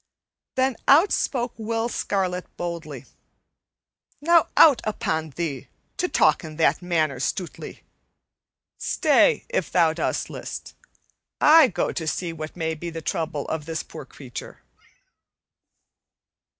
Then out spake Will Scarlet boldly. "Now out upon thee, to talk in that manner, Stutely! Stay, if thou dost list. I go to see what may be the trouble of this poor creature."